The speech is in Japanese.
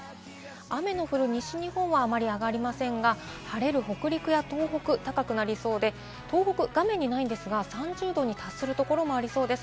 雨の降る西日本はあまり上がりませんが、晴れる北陸や東北は高くなりそうで、東北、画面にないですが、３０度に達するところもありそうです。